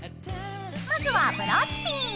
まずはブローチピン。